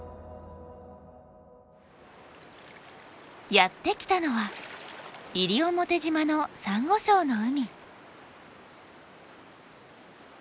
やって来たのは西表島のサンゴ礁の海。